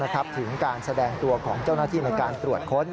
ถึงการแสดงตัวของเจ้าหน้าที่ในการตรวจค้น